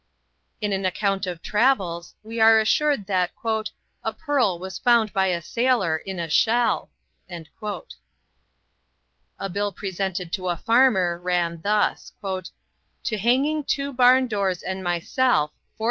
In an account of travels we are assured that "a pearl was found by a sailor in a shell." A bill presented to a farmer ran thus: "To hanging two barn doors and myself, 4_s.